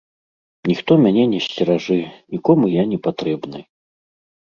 Ніхто мяне не сцеражэ, нікому я не патрэбны.